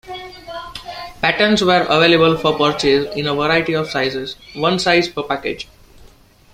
Patterns were available for purchase in a variety of sizes, one size per package.